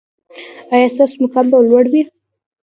ایا ستاسو مقام به لوړ وي؟